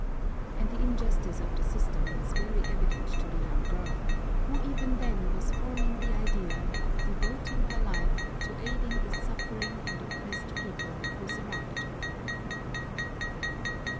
And the injustice of the system was very evident to the young girl, who even then was forming the idea of devoting her life to aiding the suffering and oppressed people who surrounded her.